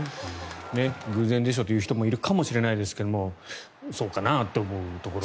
偶然でしょと言う人もいるかもしれないですけどそうかなと思うところも。